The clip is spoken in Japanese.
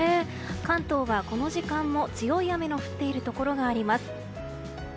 関東はこの時間も強い雨の降っているところがあります。